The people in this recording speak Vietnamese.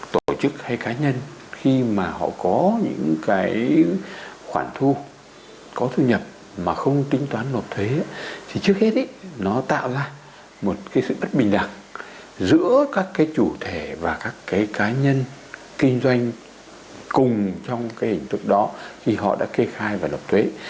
tổ chức hay cá nhân khi mà họ có những cái khoản thu có thu nhập mà không tính toán nộp thuế thì trước hết nó tạo ra một cái sự bất bình đẳng giữa các cái chủ thể và các cái cá nhân kinh doanh cùng trong cái hình thức đó khi họ đã kê khai và nộp thuế